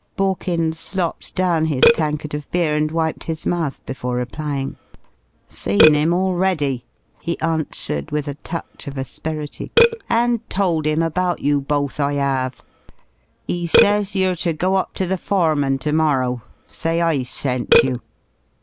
Borkins slopped down his tankard of beer and wiped his mouth before replying. "Seen him already," he answered with a touch of asperity, "and told 'im about you both, I 'ave. 'E says you're ter go up to the foreman termorrow, say I sent you.